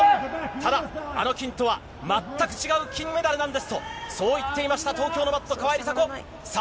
ただ、あの金とは全く違う金メダルなんですとそう言っていました川井梨紗子。